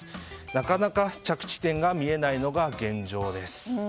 なかなか着地点が見えないのが現状です。